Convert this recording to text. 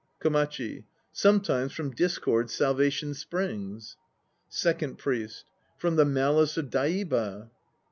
1 KOMACHI. Sometimes from discord salvation springs. SECOND PRIEST. From the malice of Daiba